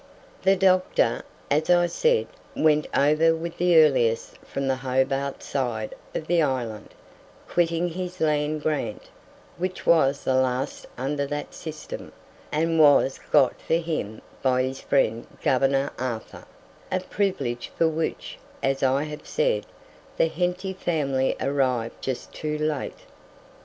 The doctor, as I said, went over with the earliest from the Hobart side of the island, quitting his land grant, which was the last under that system, and was got for him by his friend Governor Arthur a privilege for which, as I have said, the Henty family arrived just too late.